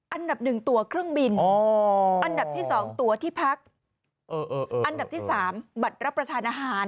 อันดับหนึ่งตัวเครื่องบินอันดับที่๒ตัวที่พักอันดับที่๓บัตรรับประทานอาหาร